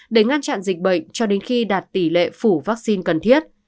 để ngăn chặn dịch bệnh cho đến khi đạt tỷ lệ phủ vaccine cần thiết